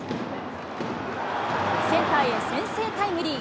センターへ先制タイムリー。